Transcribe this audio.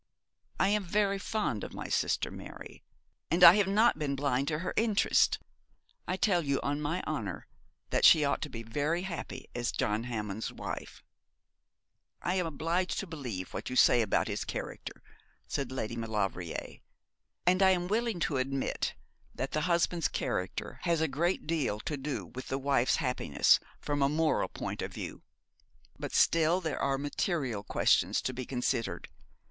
I am very fond of my sister Mary, and I have not been blind to her interests. I tell you on my honour that she ought to be very happy as John Hammond's wife.' 'I am obliged to believe what you say about his character,' said Lady Maulevrier. 'And I am willing to admit that the husband's character has a great deal to do with the wife's happiness, from a moral point of view; but still there are material questions to be considered.